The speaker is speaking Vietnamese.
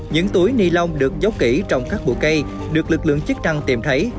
những túi nilon được dấu kỹ trong các bụi cây được lực lượng chức năng tìm thấy